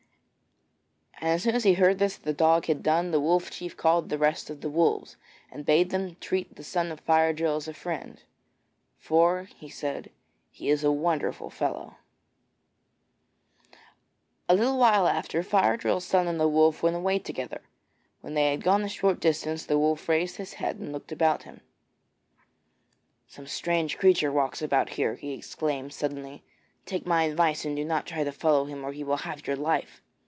And as soon as he heard this that the dog had done, the Wolf Chief called the rest of the Wolves, and bade them treat the son of Fire drill as a friend, 'for,' said he, 'he is a wonderful fellow.' A little while after, Fire drill's son and the wolf went away together. When they had gone a short distance, the wolf raised his head and looked about him. 'Some strange creature walks about here,' he exclaimed suddenly. 'Take my advice and do not try to follow him or he will have your life.'